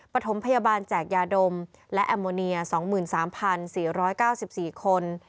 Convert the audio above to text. ปฐมพยาบาลแจกยาดมและแอมโมเนีย๒๓๔๙๔คน